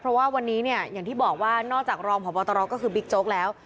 เพราะว่าวันนี้เนี่ยอย่างที่บอกว่านอกจากรองพบตรก็คือบิ๊กโจ๊กแล้ว